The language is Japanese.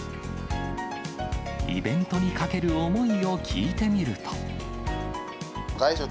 イベントにかける思いを聞いてみると。